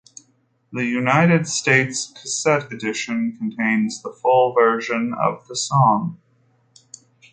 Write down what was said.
The United States cassette edition contains the full version of the song.